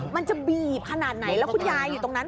มันจะบีบขนาดไหนแล้วคุณยายอยู่ตรงนั้น